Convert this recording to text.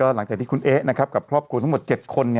หลังจากที่คุณเอ๊ะกับครอบครัวทั้งหมด๗คน